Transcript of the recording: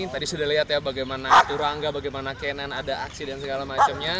tadi sudah lihat ya bagaimana turangga bagaimana kenan ada aksi dan segala macamnya